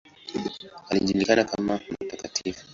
Alijulikana kama ""Mt.